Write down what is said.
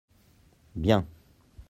Bien.